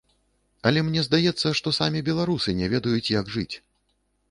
Але мне здаецца, што самі беларусы не ведаюць, як жыць.